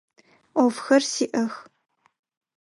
Ӏофхэр сиӏэх.